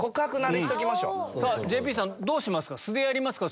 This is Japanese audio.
ＪＰさんどうしますか？